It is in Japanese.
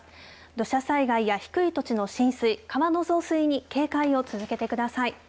土砂災害や低い土地の浸水川の増水に警戒を続けてください。